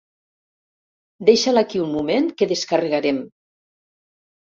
Deixa-la aquí un moment, que descarregarem.